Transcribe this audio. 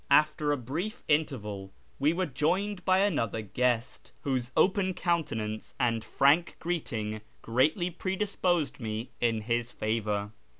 After a brief interval we were joined by another guest, whose open countenance and frank greeting greatly predisposed me in his favour.